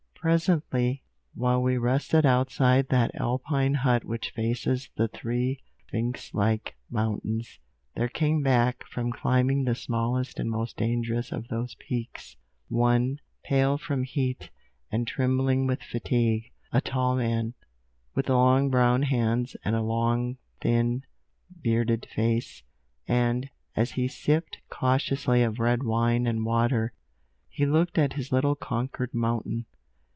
Presently, while we rested outside that Alpine hut which faces the three sphinx like mountains, there came back, from climbing the smallest and most dangerous of those peaks, one, pale from heat, and trembling with fatigue; a tall man, with long brown hands, and a long, thin, bearded face. And, as he sipped cautiously of red wine and water, he looked at his little conquered mountain.